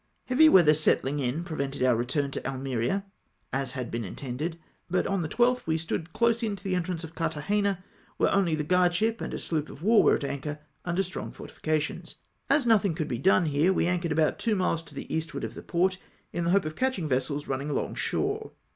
Heavy weather setting in, prevented our return to Almeria, as had been intended ; but on the 12th we stood close in to the entrance of Carthagena, where only the guardship and a sloop of war were at anchor under strong fortifications. As nothing could be done here, we anchored about two miles to the eastward of the port, in the hope of catching vessels running along shore.